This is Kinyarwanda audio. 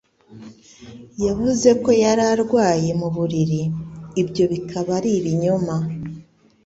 Yavuze ko yari arwaye mu buriri, ibyo bikaba ari ibinyoma.